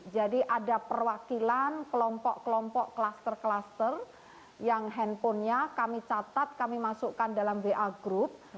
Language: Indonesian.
jadi ada perwakilan kelompok kelompok kluster kluster yang handphonenya kami catat kami masukkan dalam wa group